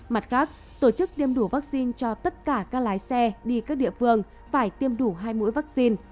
mặt khác tổ chức tiêm đủ vaccine cho tất cả các lái xe đi các địa phương phải tiêm đủ hai mũi vaccine